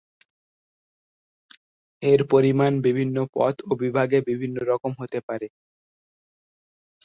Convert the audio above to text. এর পরিমান বিভিন্ন পদ ও বিভাগে বিভিন্ন রকম হতে পারে।